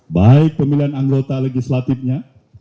baik pemilihan anggota legislatifnya